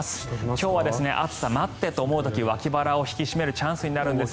今日は暑さ待ってと思う時は脇腹を引き締めるチャンスになります。